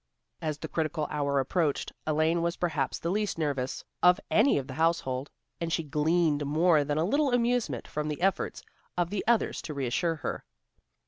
As the critical hour approached, Elaine was perhaps the least nervous of any of the household, and she gleaned more than a little amusement from the efforts of the others to reassure her.